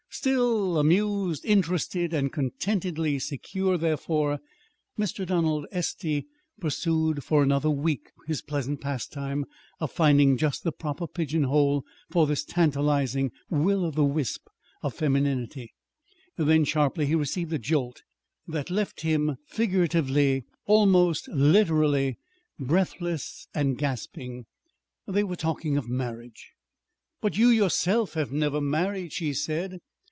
Still amused, interested, and contentedly secure, therefore, Mr. Donald Estey pursued for another week his pleasant pastime of finding just the proper pigeonhole for this tantalizing will o' the wisp of femininity; then, sharply, he received a jolt that left him figuratively almost literally breathless and gasping. They were talking of marriage. "But you yourself have never married," she said.